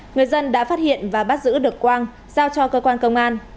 người dân đã phát hiện và bắt giữ được quang giao cho cơ quan công an